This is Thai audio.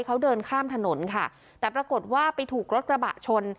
เขาเดินข้ามถนนค่ะแต่ปรากฏว่าไปถูกรถกระบะชน